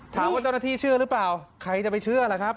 เจ้าหน้าที่เชื่อหรือเปล่าใครจะไปเชื่อล่ะครับ